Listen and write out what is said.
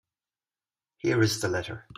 Here is the letter.